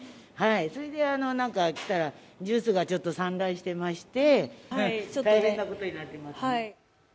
それで今、何か来たらジュースが散乱してまして大変なことになってますね。